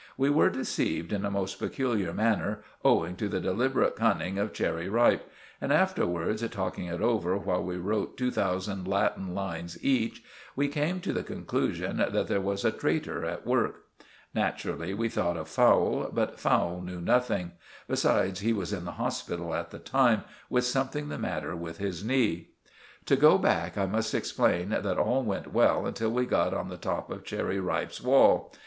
We were deceived in a most peculiar manner, owing to the deliberate cunning of Cherry Ripe; and afterwards, talking it over while we wrote two thousand Latin lines each, we came to the conclusion that there was a traitor at work. Naturally we thought of Fowle, but Fowle knew nothing; besides, he was in the hospital at the time with something the matter with his knee. To go back, I must explain that all went well until we got on the top of Cherry Ripe's wall.